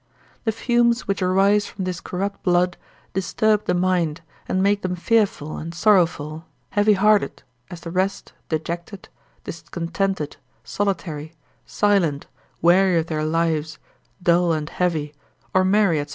The fumes which arise from this corrupt blood, disturb the mind, and make them fearful and sorrowful, heavy hearted, as the rest, dejected, discontented, solitary, silent, weary of their lives, dull and heavy, or merry, &c.